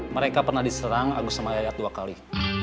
mereka pernah diserang agus sama yayat dua kali